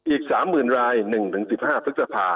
อีกสามหมื่นรายหนึ่งถึงสิบห้าฟรึกษภา